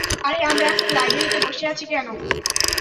আরে, আমরা এখন লাইব্রেরিতে বসে আছি কেন?